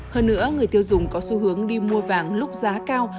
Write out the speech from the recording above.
hơn nữa người tiêu dùng có xu hướng đi mua vàng lúc giá cao